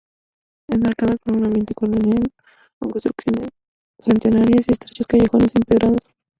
Enmarcada con un ambiente colonial, con construcciones centenarias y estrechos callejones empedrados.